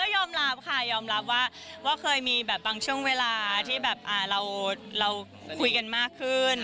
ยอมรับค่ะยอมรับว่าเคยมีแบบบางช่วงเวลาที่แบบเราคุยกันมากขึ้น